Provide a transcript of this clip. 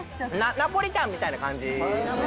ナポリタンみたいな感じ。